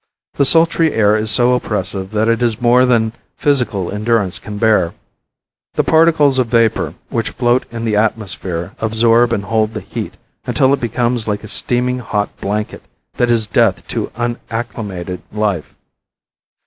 The sultry air is so oppressive that it is more than physical endurance can bear. The particles of vapor which float in the atmosphere absorb and hold the heat until it becomes like a steaming hot blanket that is death to unacclimated life.